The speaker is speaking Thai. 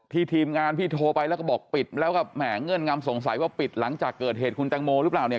ทีมงานพี่โทรไปแล้วก็บอกปิดแล้วก็แหมเงื่อนงำสงสัยว่าปิดหลังจากเกิดเหตุคุณแตงโมหรือเปล่าเนี่ย